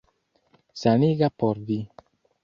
Saniga por vi.